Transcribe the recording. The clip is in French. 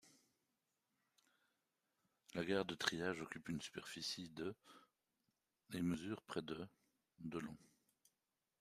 La gare de triage occupe une superficie de et mesure près de de long.